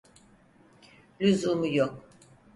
Lüzumu yok.